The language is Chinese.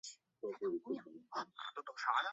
电影版是影迷们激烈争执的焦点。